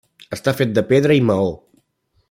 Està fet de pedra i maó.